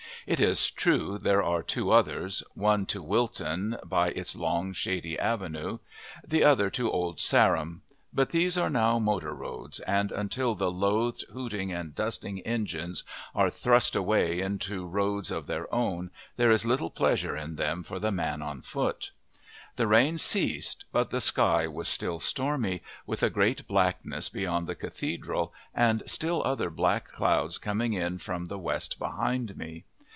It is true, there are two others: one to Wilton by its long, shady avenue; the other to Old Sarum; but these are now motor roads, and until the loathed hooting and dusting engines are thrust away into roads of their own there is little pleasure in them for the man on foot. The rain ceased, but the sky was still stormy, with a great blackness beyond the cathedral and still other black clouds coming up from the west behind me.